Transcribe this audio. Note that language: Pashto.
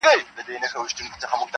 • هره ورځ له قهره نه وو پړسېدلی -